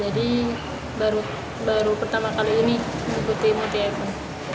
jadi baru pertama kali ini ikuti multi event